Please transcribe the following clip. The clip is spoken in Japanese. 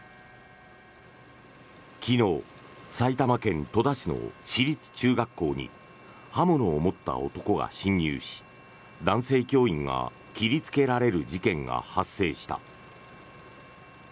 昨日埼玉県戸田市の市立中学校に刃物を持った男が侵入し男性教員が切りつけられる事件が発生した。